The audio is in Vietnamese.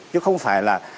chứ không phải là